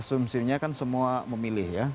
asumsinya kan semua memilih ya